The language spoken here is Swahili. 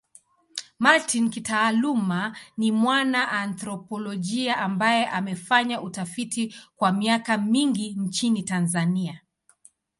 Martin kitaaluma ni mwana anthropolojia ambaye amefanya utafiti kwa miaka mingi nchini Tanzania.